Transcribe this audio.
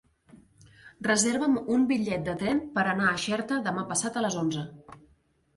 Reserva'm un bitllet de tren per anar a Xerta demà passat a les onze.